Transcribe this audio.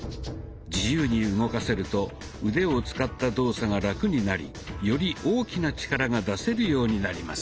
自由に動かせると腕を使った動作がラクになりより大きな力が出せるようになります。